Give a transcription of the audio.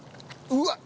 うわっ！